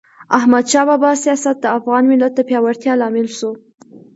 د احمد شاه بابا سیاست د افغان ملت د پیاوړتیا لامل سو.